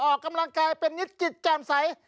ออกกำลังกายเป็นนิดจิตแจ่มใส